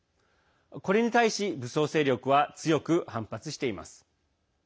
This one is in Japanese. これに対し武装勢力は強く反発しています。